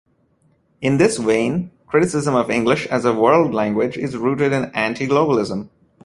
In this vein, criticism of English as a world language is rooted in anti-globalism.